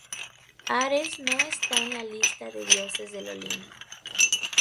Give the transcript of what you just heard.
Ares no está en la lista de Dioses del Olimpo.